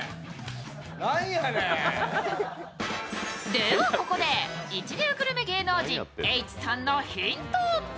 ではここで一流グルメ芸能人・Ｈさんのヒント。